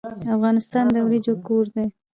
افغانستان د وریجو کور دی.